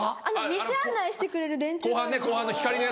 道案内してくれる電柱が。